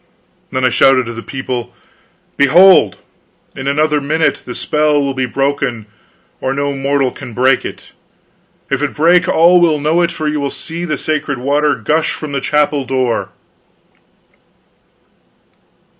Then I shouted to the people: "Behold, in another minute the spell will be broken, or no mortal can break it. If it break, all will know it, for you will see the sacred water gush from the chapel door!"